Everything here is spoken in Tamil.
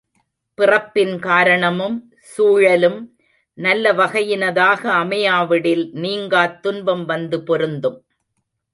பிறப்பின் காரணமும் சூழலும் நல்ல வகையினதாக அமையாவிடில் நீங்காத் துன்பம் வந்து பொருந்தும்.